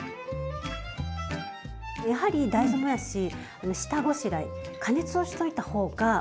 やはり大豆もやし下ごしらえ加熱をしといた方がおいしいんですね。